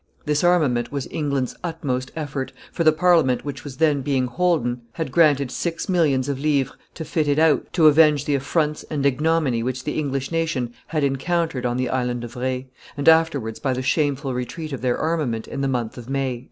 "This armament was England's utmost effort, for the Parliament which was then being holden had granted six millions of livres to fit it out to avenge the affronts and ignominy which the English nation had encountered on the Island of Re, and afterwards by the shameful retreat of their armament in the month of May."